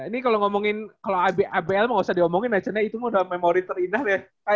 ini kalo ngomongin kalo abl mah gausah diomongin ya cennnya itu udah memori terindah deh